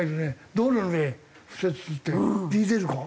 道路の上敷設するってディーゼルカー？